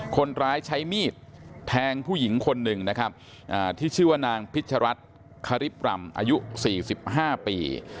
คนร้ายใช้มีดแทงผู้หญิงคนหนึ่งนะครับที่ชื่อว่านางพิชรัฐคริปรำอายุ๔๕ปี